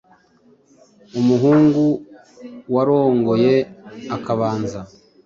umuhungu warongoye akabanza